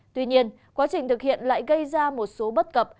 tuy nhiên quá trình thực hiện lại gây ra một số bất cập